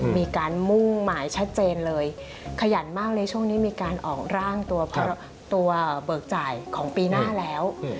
มีการมุ่งหมายชัดเจนเลยขยันมากในช่วงนี้มีการออกร่างตัวเบิกจ่ายของปีหน้าแล้ว